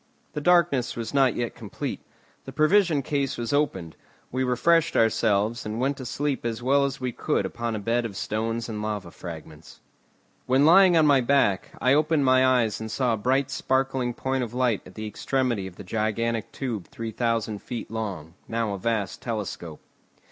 The darkness was not yet complete. The provision case was opened; we refreshed ourselves, and went to sleep as well as we could upon a bed of stones and lava fragments. When lying on my back, I opened my eyes and saw a bright sparkling point of light at the extremity of the gigantic tube 3,000 feet long, now a vast telescope.